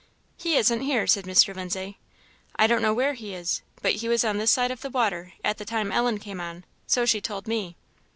"He isn't here!" said Mr. Lindsay. "I don't know where he is; but he was on this side of the water, at the time Ellen came on; so she told me."